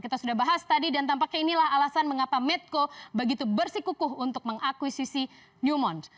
kita sudah bahas tadi dan tampaknya inilah alasan mengapa medco begitu bersikukuh untuk mengakuisisi newmont